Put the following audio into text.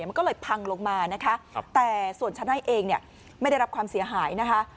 มันก็เลยพังลงมานะคะแต่ส่วนชั้นในเองเนี่ยไม่ได้รับความเสียหายนะคะ